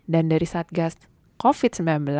dan dari satgas covid sembilan belas